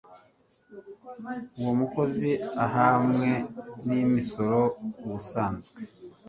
w umukozi hamwe n imisoro Ubusanzwe